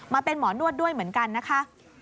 มาเป็นหมอนวดด้วยเหมือนกันนะคะ